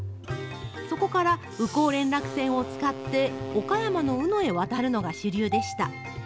そこから宇高連絡船を使って岡山の宇野へ渡るのが主流でした。